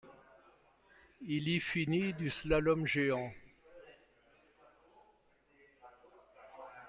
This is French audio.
Il y finit du slalom géant.